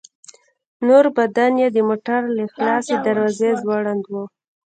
نور بدن يې د موټر له خلاصې دروازې ځوړند و.